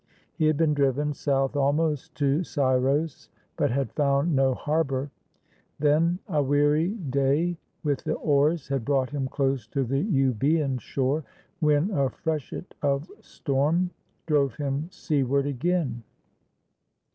He had been driven south almost to Scyros, but had found no harbor. Then a weary day with the oars had brought him close to the Eubocan shore, when a freshet of storm drove him seaward again.